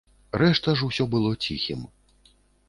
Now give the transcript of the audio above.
Рэшта ж усё было ціхім.